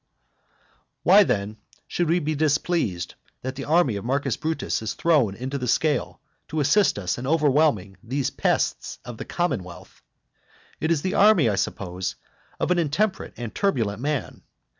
XI. Why then should we be displeased that the army of Marcus Brutus is thrown into the scale to assist us in overwhelming these pests of the commonwealth? It is the army, I suppose, of an intemperate and turbulent man.